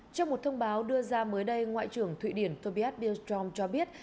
trong một thông báo đưa ra mới đây ngoại trưởng thụy điển tobias bilstrom cho biết